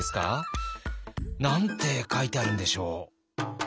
何て書いてあるんでしょう？